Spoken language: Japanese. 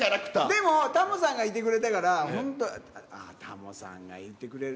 でも、タモさんがいてくれたから、本当、タモさんがいてくれる。